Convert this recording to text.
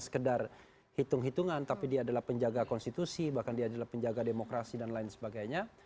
sekedar hitung hitungan tapi dia adalah penjaga konstitusi bahkan dia adalah penjaga demokrasi dan lain sebagainya